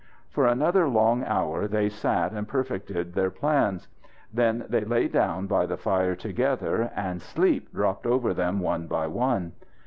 For another long hour they sat and perfected their plans. Then they lay down by the fire together, and sleep dropped over them one by one.